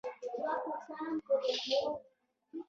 هغه وخت دی د شپږم پوځ سره ستالینګراډ ته روان و